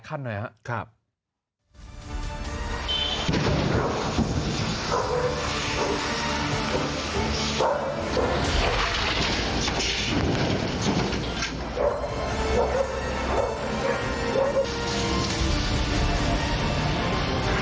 ขั้นหน่อยครับครับ